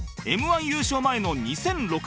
Ｍ−１ 優勝前の２００６年